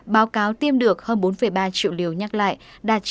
báo cáo tiêm được hơn bốn ba triệu liều nhắc lại đạt chín mươi